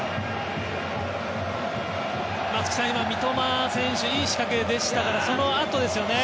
松木さん三笘が今いい仕掛けでしたからそのあとですよね。